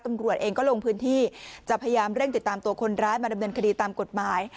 ตำรวจเองก็ลงพื้นที่จะพยายามเร่งติดตามตัวคนร้ายมาดำเนินคดีตามกฎหมาย